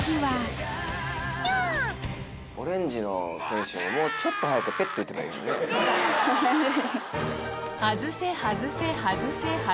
オレンジの選手ももうちょっと早く打てばいいのに。